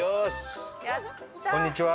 こんにちは。